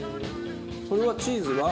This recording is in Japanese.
それはチーズが？